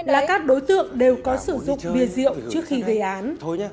là các đối tượng đều có sử dụng bia rượu trước khi gây án